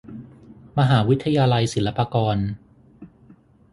มหาวิทยาลัยศิลปากร